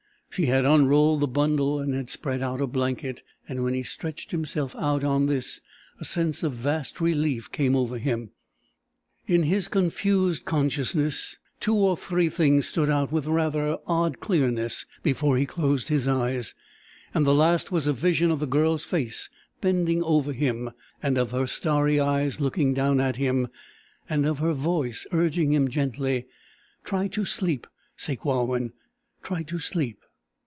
She had unrolled the bundle and had spread out a blanket, and when he stretched himself out on this a sense of vast relief came over him. In his confused consciousness two or three things stood out with rather odd clearness before he closed his eyes, and the last was a vision of the Girl's face bending over him, and of her starry eyes looking down at him, and of her voice urging him gently: "Try to sleep, Sakewawin try to sleep...."